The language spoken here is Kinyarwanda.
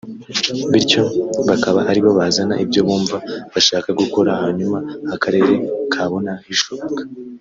bityo bakaba ari bo bazana ibyo bumva bashaka gukora hanyuma akarere kabona bishoboka